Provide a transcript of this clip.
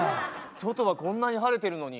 外はこんなに晴れてるのに？